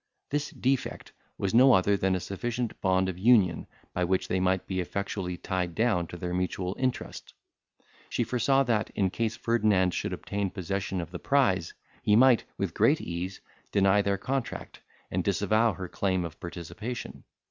This defect was no other than a sufficient bond of union, by which they might be effectually tied down to their mutual interest. She foresaw, that, in case Ferdinand should obtain possession of the prize, he might, with great ease, deny their contract, and disavow her claim of participation.